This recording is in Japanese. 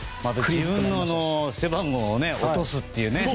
自分の背番号を落とすというね。